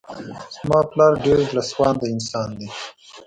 زما پلار ډير زړه سوانده انسان دی.